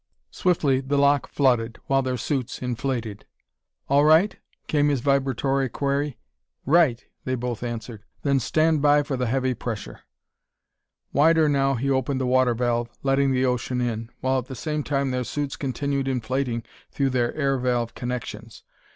Swiftly the lock flooded, while their suits inflated. "All right?" came his vibratory query. "Right!" they both answered. "Then stand by for the heavy pressure." Wider now he opened the water valve, letting the ocean in, while at the same time their suits continued inflating through their air valve connections.